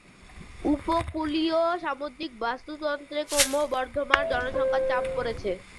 উপকূলীয় সামুদ্রিক বাস্তুতন্ত্রে ক্রমবর্ধমান জনসংখ্যার চাপ পড়েছে।